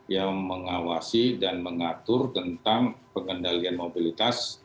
yang mengawasi dan mengatur tentang pengendalian mobilitas